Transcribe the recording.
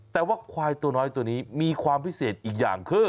แต่ว่าควายตัวน้อยตัวนี้มีความพิเศษอีกอย่างคือ